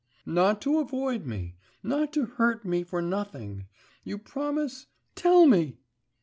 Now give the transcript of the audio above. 'Not to avoid me ... not to hurt me for nothing. You promise? tell me!